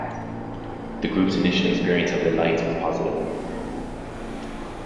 The group's initial experience of the Alliance was positive.